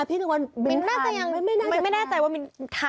พลันจิตอ่ะ